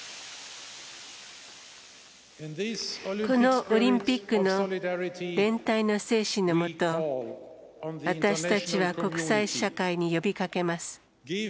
このオリンピックの連帯の精神のもと私たちは国際社会に呼びかけます。